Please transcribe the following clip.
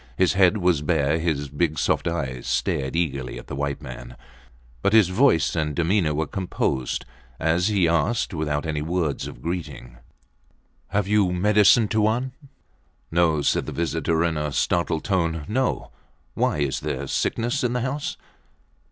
His head was bare. His big, soft eyes stared eagerly at the white man, but his voice and demeanour were composed as he asked, without any words of greeting Have you medicine, Tuan? No, said the visitor in a startled tone. No. Why? Is there sickness in the house?